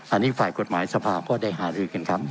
อันนี้ฝ่ายกฎหมายสภาก็ได้หารือกันครับ